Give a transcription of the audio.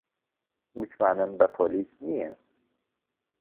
متمانەم بە پۆلیس نییە.